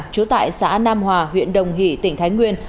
trú tại xã nam hòa huyện đồng hỷ tỉnh thái nguyên